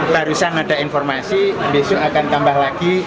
baru saja ada informasi besok akan tambah lagi